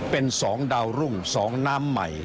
เป็นสองดาวรุ่งสองน้ำใหม่